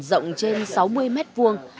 rộng trên sáu mươi mét vuông